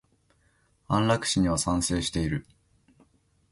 安楽死には賛成している。